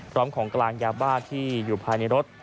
พร้อมของการยาบ้าที่อยู่ภายในรถ